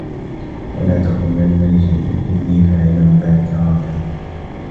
وَلَا تَقُولَنَّ لِشَيْءٍ إِنِّي فَاعِلٌ ذَلِكَ غَدًا